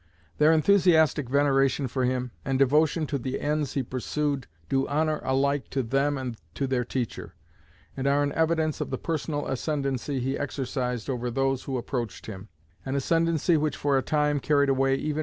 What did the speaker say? Their enthusiastic veneration for him, and devotion to the ends he pursued, do honour alike to them and to their teacher, and are an evidence of the personal ascendancy he exercised over those who approached him; an ascendancy which for a time carried away even M.